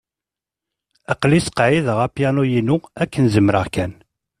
Aql-i ttqeεεideɣ apyanu-inu akken zemreɣ kan.